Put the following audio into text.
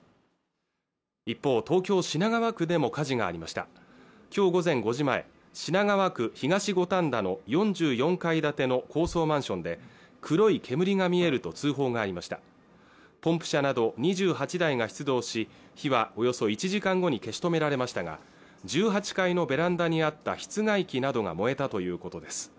一方東京品川区でも火事がありました今日午前５時前品川区東五反田の４４階建ての高層マンションで黒い煙が見えると通報がありましたポンプ車など２８台が出動し火はおよそ１時間後に消し止められましたが１８階のベランダにあった室外機などが燃えたということです